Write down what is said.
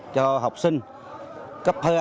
cho học sinh cấp hơ